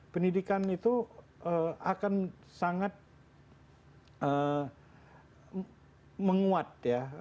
pendidikan itu akan sangat menguat ya